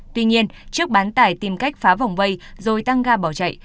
tuy nhiên chiếc bán tải tìm cách phá vòng vây rồi tăng ga bỏ chạy